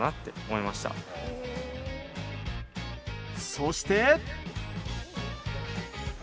そして。